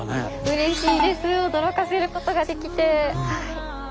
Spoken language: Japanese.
うれしいです驚かせることができて。